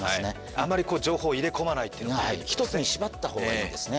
あんまり情報を入れ込まないっていうのがはい一つに絞った方がいいですね